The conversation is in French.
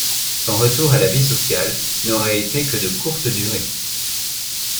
Son retour à la vie sociale n’aura été que de courte durée!